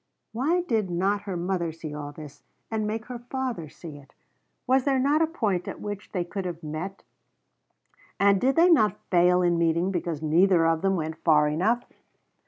Why did not her mother see all this and make her father see it? Was there not a point at which they could have met and did they not fail in meeting because neither of them went far enough?